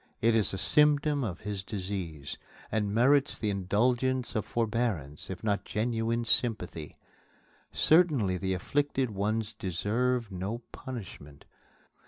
It is a symptom of his disease, and merits the indulgence of forbearance, if not genuine sympathy. Certainly the afflicted one deserves no punishment.